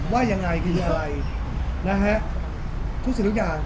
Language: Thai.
ว่ายังไงคืออะไรนะฮะทุกสิ่งทุกอย่าง